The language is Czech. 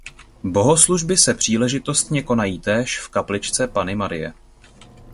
Bohoslužby se příležitostně konají též v kapličce Panny Marie.